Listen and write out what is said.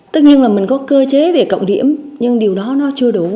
tất nhiên là mình có cơ chế về cộng điểm nhưng điều đó nó chưa đủ